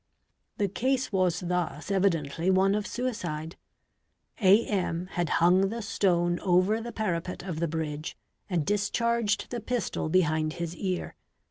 The case was thus evidently one of suicide; A.M. had hung the stor over the parapet of the bridge and discharged the pistol behind his eat.